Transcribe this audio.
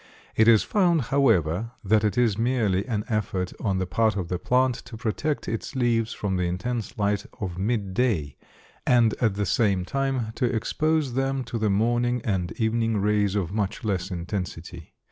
It is found, however, that it is merely an effort on the part of the plant to protect its leaves from the intense light of midday, and at the same time to expose them to the morning and evening rays of much less intensity.